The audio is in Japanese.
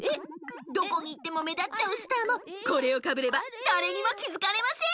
どこにいってもめだっちゃうスターもこれをかぶればだれにもきづかれません。